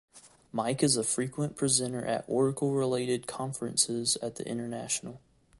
Mike is a frequent presenter at Oracle related conferences at the international.